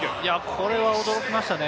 これは驚きましたね。